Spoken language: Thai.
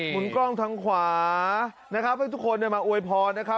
หมุนกล้องทางขวาให้ทุกคนมาโอยพร